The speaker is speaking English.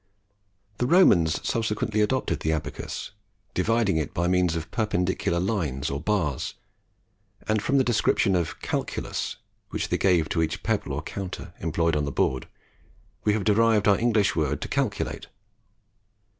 The Romans subsequently adopted the Abacus, dividing it by means of perpendicular lines or bars, and from the designation of calculus which they gave to each pebble or counter employed on the board, we have derived our English word to calculate.